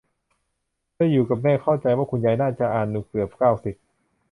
เธออยู่กับแม่เข้าใจว่าคุณยายน่าจะอานุเกือบ เก้าสิบ